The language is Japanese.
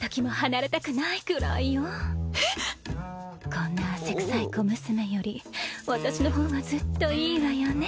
こんな汗臭い小娘より私の方がずっといいわよね